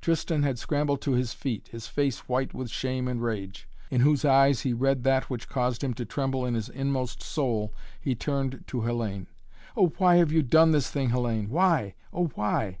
Tristan had scrambled to his feet, his face white with shame and rage. From Theodora, in whose eyes he read that which caused him to tremble in his inmost soul, he turned to Hellayne. "Oh, why have you done this thing, Hellayne, why? oh, why?"